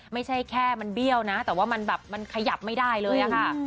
ไม่ใช่แค่มันเบี้ยวนะแต่ว่ามันแบบมันขยับไม่ได้เลยค่ะ